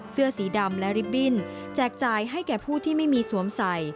เสื้อสีดำและริบบิ้นแจกจ่ายให้แก่ผู้ที่ไม่มีสวมใส่